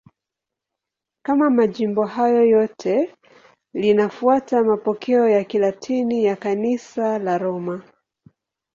Kama majimbo hayo yote, linafuata mapokeo ya Kilatini ya Kanisa la Roma.